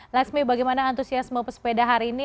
laksmi bagaimana antusiasme pesepeda hari ini